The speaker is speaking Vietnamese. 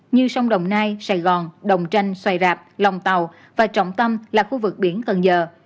như sông đồng nai sài gòn đồng tranh xoài rạp lòng tàu và trọng tâm là khu vực biển cần giờ